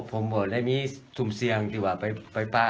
ผมได้มีสุดทุกลงแต่ว่าไปปลา